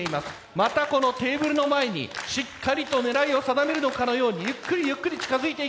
またこのテーブルの前にしっかりと狙いを定めるのかのようにゆっくりゆっくり近づいていく。